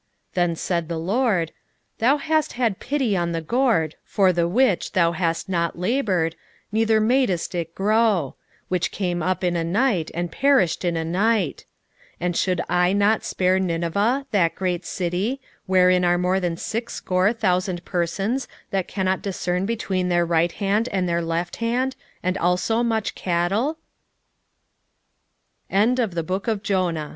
4:10 Then said the LORD, Thou hast had pity on the gourd, for the which thou hast not laboured, neither madest it grow; which came up in a night, and perished in a night: 4:11 And should not I spare Nineveh, that great city, wherein are more then sixscore thousand persons that cannot discern between their right hand and their left hand; and also much